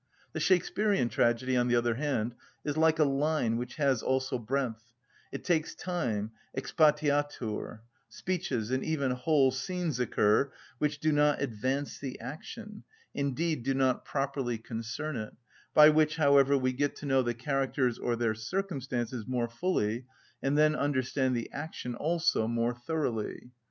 The Shakspearian tragedy, on the other hand, is like a line which has also breadth: it takes time, exspatiatur: speeches and even whole scenes occur which do not advance the action, indeed do not properly concern it, by which, however, we get to know the characters or their circumstances more fully, and then understand the action also more thoroughly.